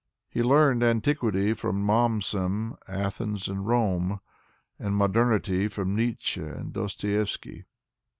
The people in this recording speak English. He learned antiquity from " Mommsen, Athens and Rome," and modernity from Nietzsche and Dostoyev sky.